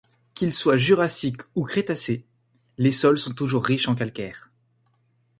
Qu'ils soient jurassiques ou crétacés, les sols sont toujours riches en calcaire.